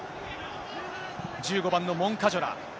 １５番のモンカジョラ。